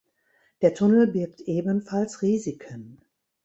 Der Tunnel birgt ebenfalls Risiken.